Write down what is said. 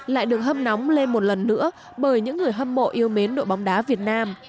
lại đường hâm nóng lên một lần nữa bởi những người hâm mộ yêu mến đội bóng đá việt nam